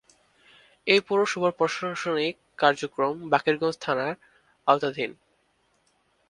এ পৌরসভার প্রশাসনিক কার্যক্রম বাকেরগঞ্জ থানার আওতাধীন।